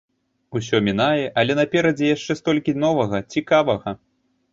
Усё мінае, але наперадзе яшчэ столькі новага, цікавага.